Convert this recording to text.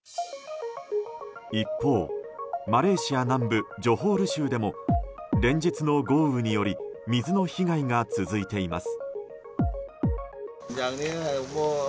一方マレーシア南部ジョホール州でも連日の豪雨により水の被害が続いています。